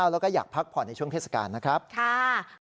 แล้วก็อยากพักผ่อนในช่วงเทศกาลนะครับ